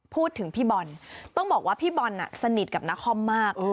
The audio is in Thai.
พี่บอลต้องบอกว่าพี่บอลสนิทกับนครมาก